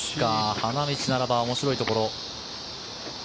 花道ならば面白いところ。